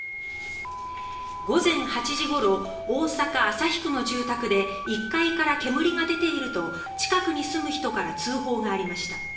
午前８時ごろ大阪旭区の住宅で１階から煙が出ていると近くに住む人から通報がありました。